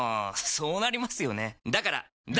そうなりますよねだから脱！